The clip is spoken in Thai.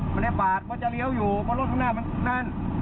ไม่ได้ปาดเพราะจะเลี้ยวอยู่เพราะรถข้างหน้ามันนั่น